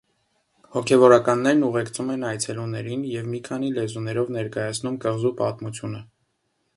Հոգևորականներն ուղեկցում են այցելուներին և մի քանի լեզուներով ներկայացնում կղզու պատմությունը։